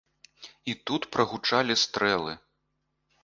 І тут прагучалі стрэлы.